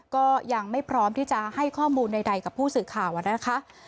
ก็ยังไม่พร้อมที่จะให้ข้อมูลใดกับผู้สื่อข่าวนะคะ